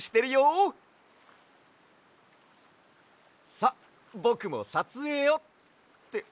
さっぼくもさつえいをって